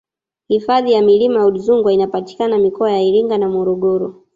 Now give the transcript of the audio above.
hifadhi ya milima ya udzungwa inapatikana mikoa ya iringa na morogoro